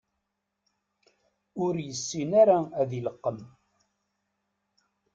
Ur yessin ara ad ileqqem.